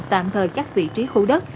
tạm thời các vị trí khu đất